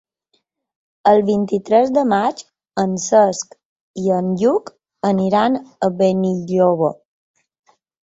El vint-i-tres de maig en Cesc i en Lluc aniran a Benilloba.